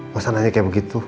pas anaknya kayak begitu